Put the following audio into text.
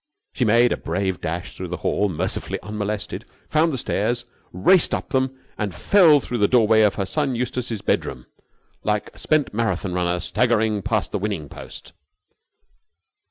She made a brave dash through the hall, mercifully unmolested: found the stairs: raced up them: and fell through the doorway of her son Eustace's bedroom like a spent Marathon runner staggering past the winning post.